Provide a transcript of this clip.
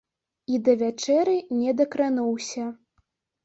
І да вячэры не дакрануўся.